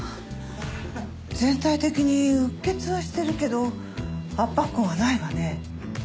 全体的にうっ血はしてるけど圧迫痕はないわね。